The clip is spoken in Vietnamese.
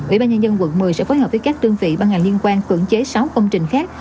ủy ban nhân dân quận một mươi sẽ phối hợp với các đơn vị ban ngành liên quan cưỡng chế sáu công trình khác